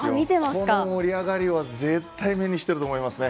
この盛り上がりは絶対に目にしてると思いますね。